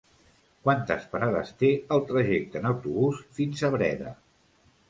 Quantes parades té el trajecte en autobús fins a Breda?